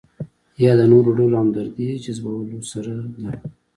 یا د نورو ډلو همدردۍ جذبولو سره ده.